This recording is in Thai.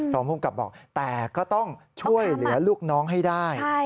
รองภูมิกับบอกแต่ก็ต้องช่วยเหลือลูกน้องให้ได้